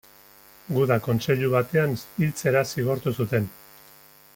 Guda kontseilu batean hiltzera zigortu zuten.